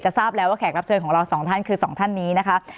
ทราบแล้วว่าแขกรับเชิญของเราสองท่านคือสองท่านนี้นะคะ